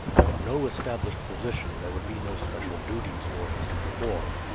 Having no established position there would be no special duties for him to perform.